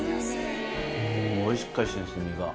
すごいしっかりしてるんです、身が。